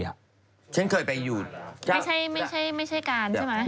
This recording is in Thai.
ไม่ใช่กาญใช่มั้ย